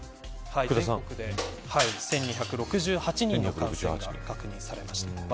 １２６８人が確認されました。